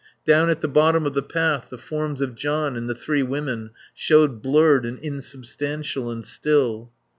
Down at the bottom of the path the forms of John and the three women showed blurred and insubstantial and still.